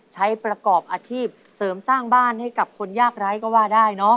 ใช้ประกอบอาชีพเสริมสร้างบ้านให้กับคนยากไร้ก็ว่าได้เนอะ